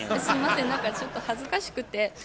すいません何かちょっと恥ずかしくて。